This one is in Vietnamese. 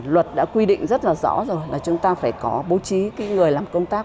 luật đã quy định rất là rõ rồi là chúng ta phải có bố trí cái người làm công tác